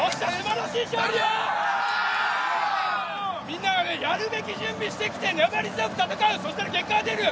みんながやるべき準備をしてきて粘り強く戦うそしたら結果が出る。